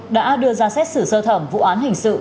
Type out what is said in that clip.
đã đưa ra xét xử sơ thẩm vụ án hình sự